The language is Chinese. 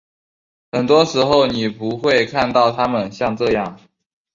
很多时候你不会看到他们像这样。